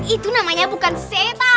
itu namanya bukan seta